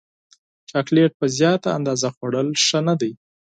چاکلېټ په زیاته اندازه خوړل ښه نه دي.